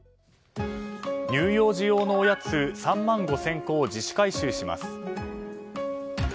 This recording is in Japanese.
乳幼児用のおやつ３万５０００個を自主回収します。